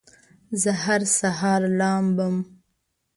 زه هر سهار لامبم